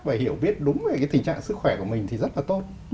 và hiểu biết đúng về cái tình trạng sức khỏe của mình thì rất là tốt